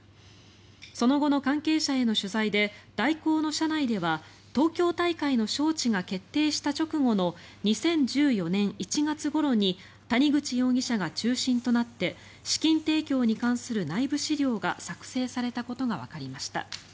その後の関係者への取材で大広の社内では東京大会の招致が決定した直後の２０１４年１月ごろに谷口容疑者が中心となって資金提供に関する内部資料が作成されたことがわかりました。